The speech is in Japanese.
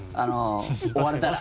追われたら。